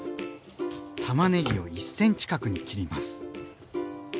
たまねぎを１ｃｍ角に切ります。